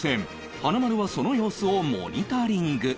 華丸はその様子をモニタリング